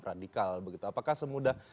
radikal apakah semudah